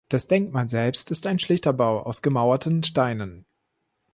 Das Denkmal selbst ist ein schlichter Bau aus gemauerten Steinen.